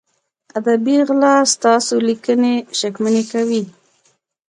ادبي غلا ستاسو لیکنې شکمنې کوي.